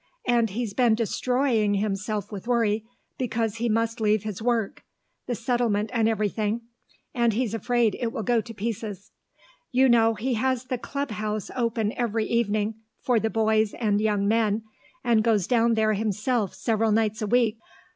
And he's been destroying himself with worry because he must leave his work the settlement and everything and he's afraid it will go to pieces. You know he has the Club House open every evening for the boys and young men, and goes down there himself several nights a week.